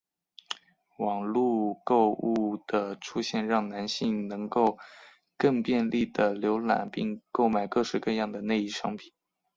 网路购物的出现让男性能够更便利地浏览并购买各式各样的内衣商品。